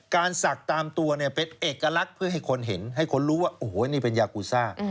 ศักดิ์ตามตัวเนี่ยเป็นเอกลักษณ์เพื่อให้คนเห็นให้คนรู้ว่าโอ้โหนี่เป็นยากูซ่า